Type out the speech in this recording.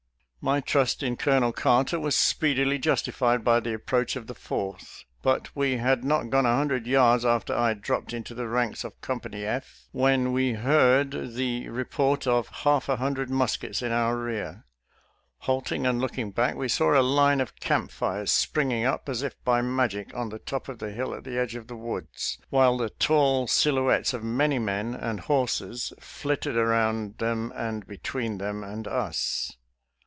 My trust in Colonel Carter was speedily justi fied by the approach of the Fourth. But we had not gone a hundred yards after I dropped into the ranks of Company F, when we heard the re port of half a hundred muskets in our rear. Halting and looking back, we saw a line of camp fires spring up as if by magic on the top of the hill at the edge of the woods, while the tall sil houettes of many men and horses flitted around them and between them and us.